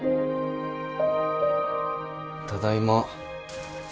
ただいま。